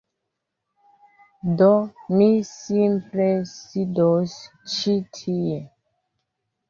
Do, mi simple sidos ĉi tie